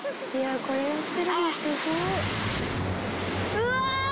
うわ！